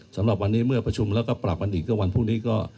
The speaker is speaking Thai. สำหรับวันนี้เมื่อประชุมแล้วก็ปรับกันอีกก็วันพรุ่งนี้ก็